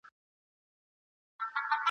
کله کله به یې ویني کړه مشوکه !.